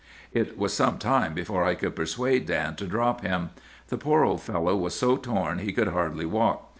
"'It was some time before I could persuade Dan to drop him. The poor old fellow was so torn he could hardly walk.